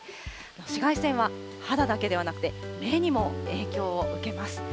紫外線は肌だけではなくて、目にも影響を受けます。